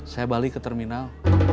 saya balik ke terminal